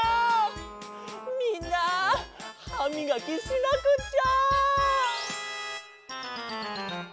みんなはみがきしなくっちゃ！